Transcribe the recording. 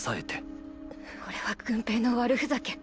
これは郡平の悪フザケ。